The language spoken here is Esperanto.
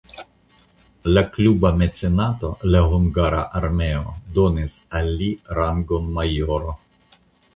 La kluba mecenato (la hungara armeo) donis al li rangon majoro.